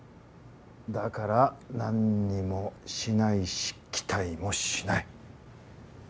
だから何にもしないし期待もしない。